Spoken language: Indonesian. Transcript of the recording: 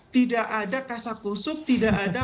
tidak ada kasakusuk tidak ada